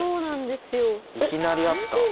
いきなりあった。